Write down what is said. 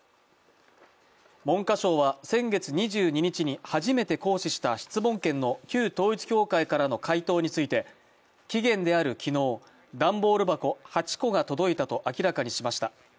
文科省は先月２２日に初めて行使した質問権の旧統一教会からの回答について期限である昨日、段ボール箱８個が届いたと明らかにしました。